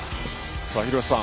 廣瀬さん。